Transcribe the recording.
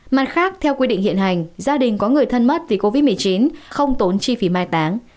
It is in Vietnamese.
mặt khác theo quy định hiện hành gia đình có người thân mất vì covid một mươi chín không tốn chi phí mai táng